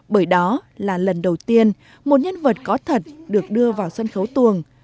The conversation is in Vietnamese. bởi đó là lần đầu tiên một nhân vật có thật được đưa vào sân khấu tuồng